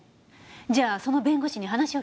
じゃあその弁護士に話を聞けば。